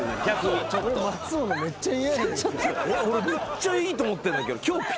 俺めっちゃいいと思ってんだけど今日ぴったりよ。